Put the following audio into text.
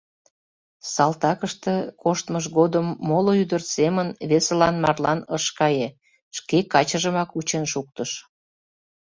Салтакыште коштмыж годым моло ӱдыр семын весылан марлан ыш кае, шке качыжымак вучен шуктыш.